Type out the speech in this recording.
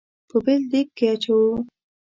په بل دېګ کې واچوو.